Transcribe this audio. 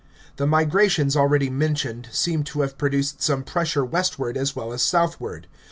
* The migrations already mentioned seem to have produced some pressure westward as well as southward.